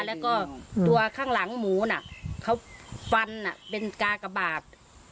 แล้วก็ตัวข้างหลังหมูน่ะเขาฟันเป็นกากบาท